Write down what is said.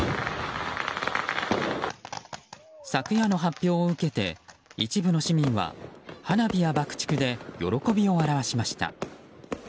昨夜の発表を受けて一部の市民は花火や爆竹で喜びを表しました。